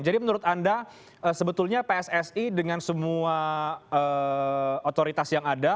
jadi menurut anda sebetulnya pssi dengan semua otoritas yang ada